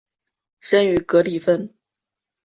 生于格里芬。